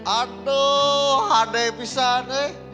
aduh hd bisa nih